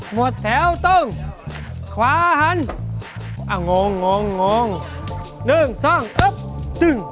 หมดแถวตึ้งขวาหันอ่ะงงงงงหนึ่งซ่องปุ๊บตึ้ง